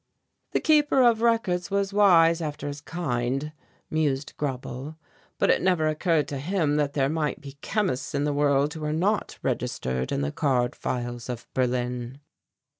"The Keeper of Records was wise after his kind," mused Grauble, "but it never occurred to him that there might be chemists in the world who are not registered in the card files of Berlin."